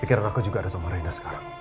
pikiran aku juga sama reina sekarang